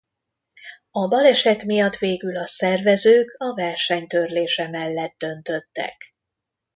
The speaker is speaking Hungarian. A baleset miatt végül a szervezők a verseny törlése mellett döntöttek.